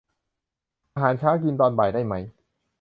อาหารเช้ากินตอนบ่ายได้ไหม